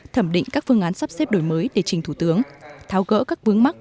thẩm định các phương án sắp xếp đổi mới để trình thủ tướng tháo gỡ các vướng mắt